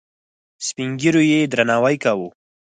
سپین ږیرو یې درناوی کاوه.